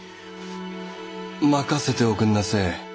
任せておくんなせえ。